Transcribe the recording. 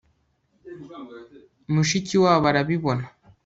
mushikiwabo arabibona